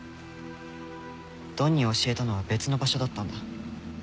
ドンに教えたのは別の場所だったんだ。